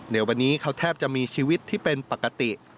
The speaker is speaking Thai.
ในวันนี้เขาแทบจะมีชีวิตที่เป็นปกติ